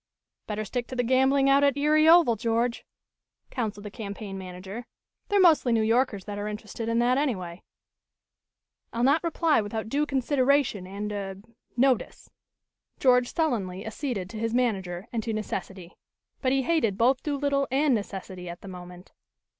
"Better stick to the gambling out at Erie Oval, George," counseled the campaign manager. "They're mostly New Yorkers that are interested in that, anyway." "I'll not reply without due consideration and er notice," George sullenly acceded to his manager and to necessity. But he hated both Doolittle and necessity at the moment.